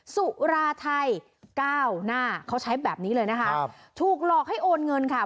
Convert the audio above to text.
สุราไทยก้าวหน้าเขาใช้แบบนี้เลยนะคะถูกหลอกให้โอนเงินค่ะ